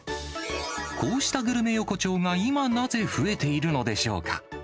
こうしたグルメ横丁が今なぜ増えているのでしょうか。